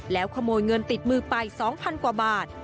แล้วขโมยเงินติดมือไป๒๐๐กว่าบาท